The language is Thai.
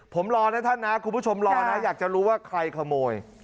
ผมรอนะท่านนะคุณผู้ชมรอนะอยากจะรู้ว่าใครขโมย